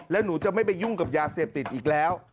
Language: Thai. แล้วหนูจะไม่ไปยุ่งกับยาเสพติดอีกแล้ว